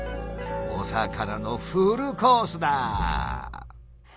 お魚のフルコースだ！